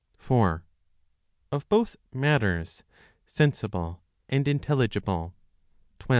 (Of both Matters) (Sensible and Intelligible), 12.